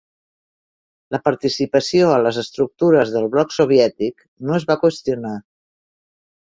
La participació a les estructures del Bloc soviètic no es va qüestionar.